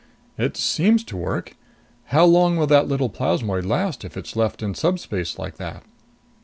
"It seems to work. How long will that little plasmoid last if it's left in subspace like that?"